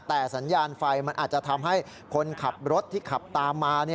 แต่สัญญาณไฟมันอาจจะทำให้คนขับรถที่ขับตามมา